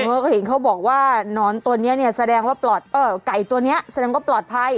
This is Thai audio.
ตอนนี้เขาเห็นเค้าบอกว่านอนตัวนี้นี่แสดงว่าไก่ตัวนี้แสดงว่าปลอดภัย